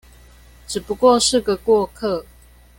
只不過是個過客